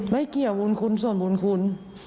ไม่เกี่ยวบุญคุณส่วนบุญคุณ